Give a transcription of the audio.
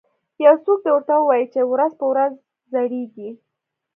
یو څوک دې ورته ووایي چې ورځ په ورځ زړیږي